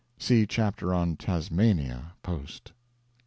[See Chapter on Tasmania, post.